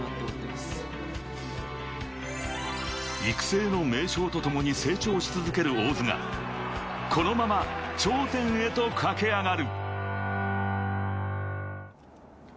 育成の名将とともに成長し続けるを大津が、このまま頂点へと駆け上がる。